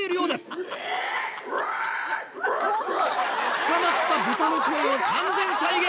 つかまった豚の声を完全再現！